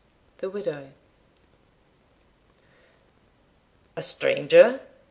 The Widow. "A stranger!"